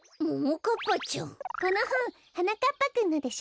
このほんはなかっぱくんのでしょ？